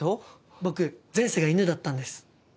僕前世が犬だったんです。